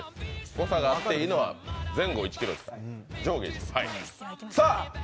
誤差があっていいのは前後１ｋｇですから。